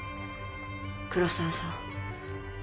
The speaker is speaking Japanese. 黒沢さん。